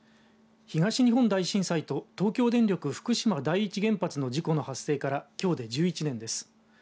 東日本大震災と東京電力福島第一原発の事故の発生からきょうで１１年です。